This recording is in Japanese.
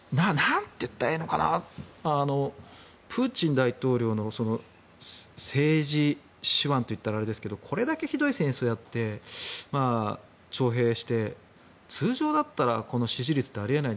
それから、プーチン大統領の政治手腕と言ったらあれですけどこれだけひどい戦争をやって徴兵して通常だったらこの支持率ってあり得ない。